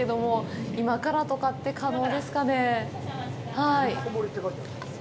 はい。